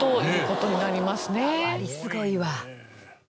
すごいわ。